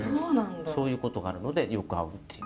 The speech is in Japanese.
そういうことがあるのでよく合うっていう。